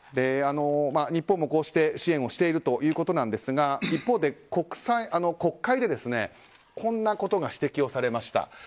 日本もこうして支援をしているということですが一方で国会でこんなことが指摘をされました。